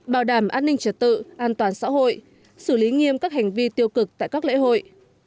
bảo đảm an ninh trật tự an toàn xã hội xử lý nghiêm các hành vi tiêu cực tại các lễ hội